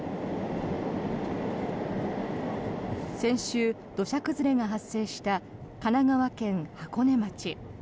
先週、土砂崩れが発生した神奈川県箱根町。